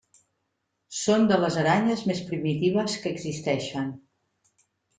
Són de les aranyes més primitives que existeixen.